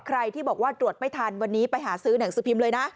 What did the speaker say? ใครที่บอกว่าตรวจไม่ทันวันนี้ไปหาซื้อหนังสือพิมพ์เลยนะ